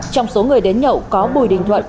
trong số người đến nhậu có bùi đình thuận